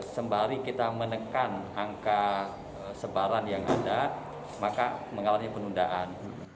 sembari kita menekan angka sebaran yang ada maka mengalami penundaan